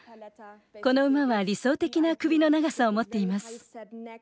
この馬は理想的な首の長さを持っています。